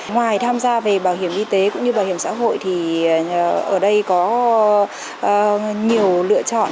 ngoài tham gia về bảo hiểm y tế cũng như bảo hiểm xã hội thì ở đây có nhiều lựa chọn